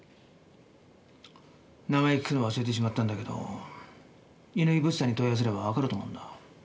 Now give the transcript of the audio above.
名前聞くのを忘れてしまったんだけど乾井物産に問い合わせればわかると思うんだ。